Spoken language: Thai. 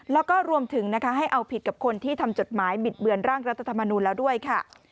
แล้วก็รวมถึงนะคะให้เอาผิดกับคนที่ทำจดหมายบิดเบือนร่างรัฐธรรมนูลแล้วด้วยค่ะ